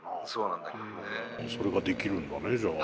それができるんだねじゃあ。